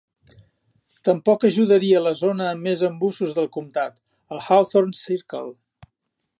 Tampoc ajudaria la zona amb més embussos del comtat, el Hawthorne Circle.